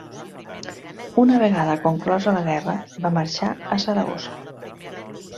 Una vegada conclosa la guerra, va marxar a Saragossa.